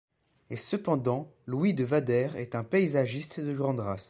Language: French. Et cependant Louis de Vadder est un paysagiste de grande race.